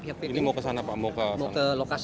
ini mau ke sana pak